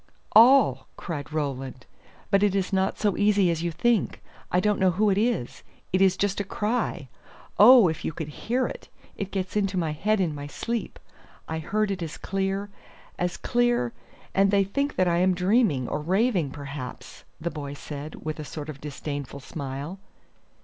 "All," cried Roland, "but it is not so easy as you think. I don't know who it is. It is just a cry. Oh, if you could hear it! It gets into my head in my sleep. I heard it as clear as clear; and they think that I am dreaming, or raving perhaps," the boy said, with a sort of disdainful smile.